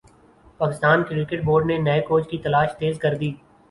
Pakistan cricket board نے نئے coach کی تلاش تیز کر دی